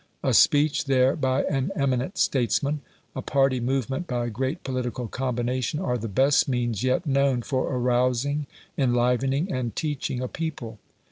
A speech there by an eminent statesman, a party movement by a great political combination, are the best means yet known for arousing, enlivening, and teaching a people.